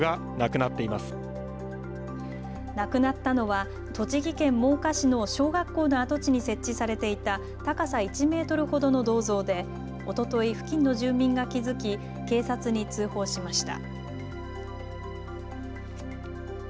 なくなったのは栃木県真岡市の小学校の跡地に設置されていた高さ１メートルほどの銅像でおととい、付近の住民が気付き、警察に通報しました。